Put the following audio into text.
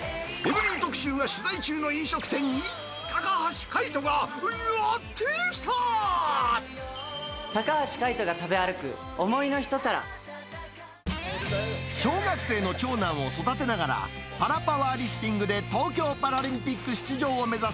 エブリィ特集は、取材中の飲食店に高橋海人がやって来た。小学生の長男を育てながらパラ・パワーリフティングで東京パラリンピック出場を目指す